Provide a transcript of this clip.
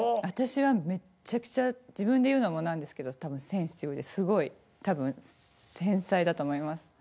私はめっちゃくちゃ自分で言うのもなんですけど多分センシティブですごい多分繊細だと思います。